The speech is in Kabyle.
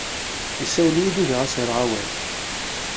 Yessawel-iyi-d, ugiɣ ad as-rreɣ awal.